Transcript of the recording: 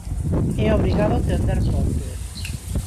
"É obrigado tender pontes".